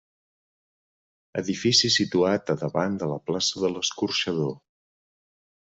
Edifici situat a davant de la plaça de l'Escorxador.